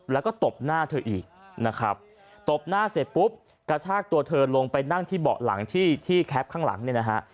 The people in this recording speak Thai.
แล้วก็ตบหน้าเธออีกนะครับตบหน้าเสร็จปุ๊บกระชากตัวเธอลงไปนั่งที่เบาะหลังที่ที่แคปข้างหลังเนี่ยนะฮะ